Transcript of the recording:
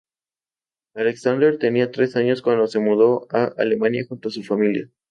Alexander tenía tres años cuando se mudó a Alemania junto con su familia.